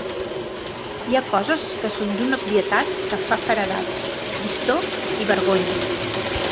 Hi ha coses que són d'una obvietat que fa feredat! Tristor i vergonya!